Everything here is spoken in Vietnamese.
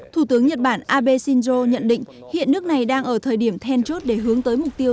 thủ tướng nhật bản abe shinzo nhận định hiện nước này đang ở thời điểm then chốt để hướng tới mục tiêu